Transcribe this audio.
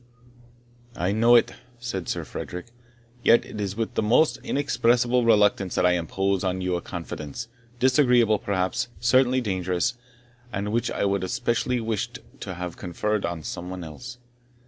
"I know it," said Sir Frederick; "yet it is with the most inexpressible reluctance that I impose on you a confidence, disagreeable perhaps certainly dangerous and which I would have specially wished to have conferred on some one else.